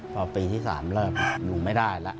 พอปีที่๓เริ่มหนูไม่ได้แล้ว